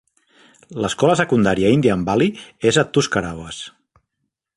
L'escola secundària Indian Valley és a Tuscarawas.